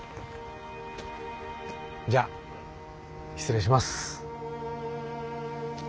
じゃあ失礼します。